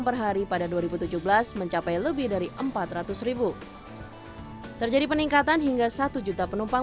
perhari pada dua ribu tujuh belas mencapai lebih dari empat ratus ribu terjadi peningkatan hingga satu juta penumpang